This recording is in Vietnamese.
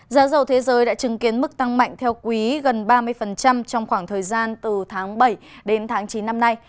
giá dầu thế giới đã chứng kiến mức tăng mạnh theo quý gần ba mươi trong khoảng thời gian từ tháng bảy đến tháng chín năm nay